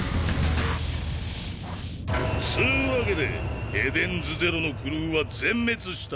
つわけでエデンズゼロのクルーは全滅した。